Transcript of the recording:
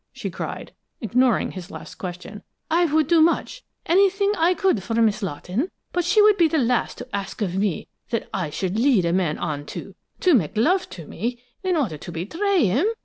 she cried, ignoring his last question. "I would do much, anything that I could for Miss Lawton, but she would be the last to ask of me that I should lead a man on to to make love to me, in order to betray him!